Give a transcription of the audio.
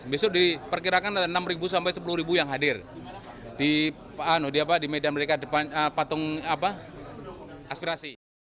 besok diperkirakan ada enam sampai sepuluh yang hadir di medan mereka depan patung aspirasi